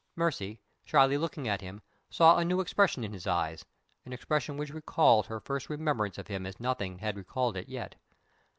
Mercy, shyly looking at him, saw a new expression in his eyes an expression which recalled her first remembrance of him as nothing had recalled it yet.